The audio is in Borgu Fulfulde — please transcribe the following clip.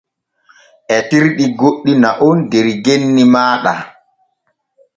Etirɗi goɗɗi na’on der genni maaɗa.